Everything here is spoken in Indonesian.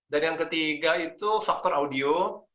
dan yang ketiga itu faktor audio